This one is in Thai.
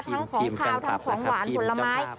ทั้งของขาวทั้งของหวานผลไม้